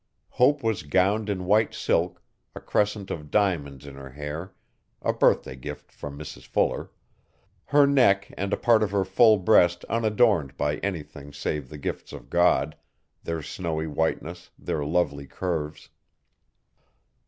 Hope was gowned in white silk, a crescent of diamonds in her hair a birthday gift from Mrs Fuller; her neck and a part of her full breast unadorned by anything save the gifts of God their snowy whiteness, their lovely curves.